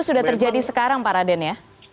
sudah terjadi sekarang pak raden ya